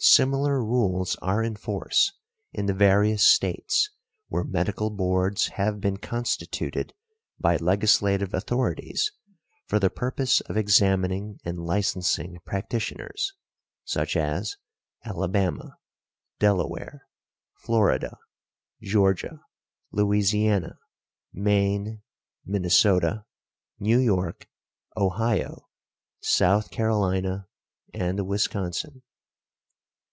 Similar rules are in force in the various States where Medical Boards have been constituted by legislative authorities for the purpose of examining and licensing practitioners, such as Alabama, Delaware, Florida, Georgia, Louisiana, Maine, Minnesota, New York, Ohio, South Carolina and Wisconsin.